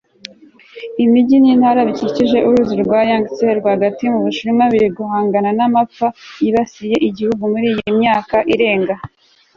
Imijyi nintara bikikije uruzi rwa Yangtze rwagati mu Bushinwa biri guhangana namapfa yibasiye igihugu muri iyi myaka irenga